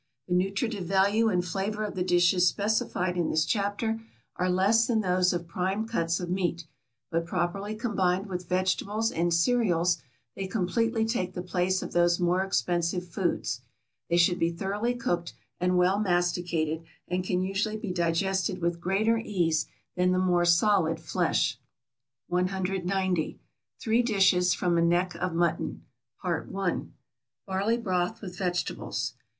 The nutritive value and flavor of the dishes specified in this chapter are less than those of prime cuts of meat, but properly combined with vegetables and cereals, they completely take the place of those more expensive foods; they should be thoroughly cooked, and well masticated; and can usually be digested with greater ease than the more solid flesh. 190. =Three dishes from a Neck of Mutton.= PART I. BARLEY BROTH WITH VEGETABLES.